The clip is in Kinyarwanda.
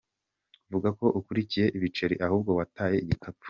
Vugako Ukurikiye Ibiceri Ahubwo Wataye Igikapu.